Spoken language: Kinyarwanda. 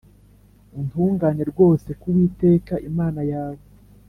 Utungane rwose ku Uwiteka Imana yawe